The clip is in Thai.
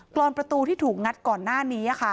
รอนประตูที่ถูกงัดก่อนหน้านี้